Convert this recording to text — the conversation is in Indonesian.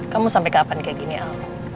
kamu sampai kapan kayak gini al